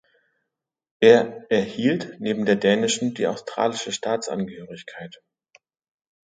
Er erhielt neben der dänischen die australische Staatsangehörigkeit.